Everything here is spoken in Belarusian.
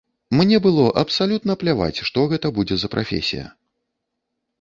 Мне было абсалютна пляваць, што гэта будзе за прафесія.